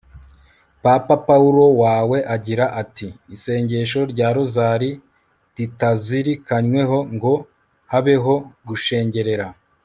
papa pawulo wa we agira ati « isengesho rya rozari ritazirikanyweho ngo habeho gushengerera